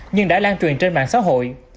nhưng đã lan truyền trên mạng xã hội